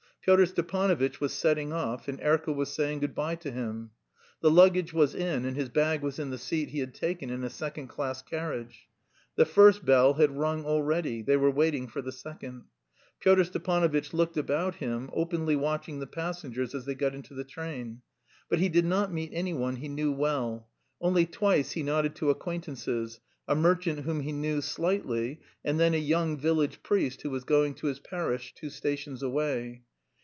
Pyotr Stepanovitch was setting off and Erkel was saying good bye to him. The luggage was in, and his bag was in the seat he had taken in a second class carriage. The first bell had rung already; they were waiting for the second. Pyotr Stepanovitch looked about him, openly watching the passengers as they got into the train. But he did not meet anyone he knew well; only twice he nodded to acquaintances a merchant whom he knew slightly, and then a young village priest who was going to his parish two stations away.